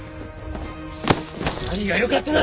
何がよかっただ！